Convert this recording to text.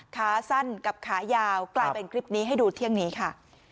ขาสั้นกับขายาวกลายเป็นคลิปนี้ให้ดูเที่ยงนี้ค่ะ